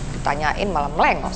ditanyain malah melengos